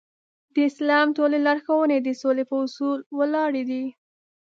د اسلام ټولې لارښوونې د سولې په اصول ولاړې دي.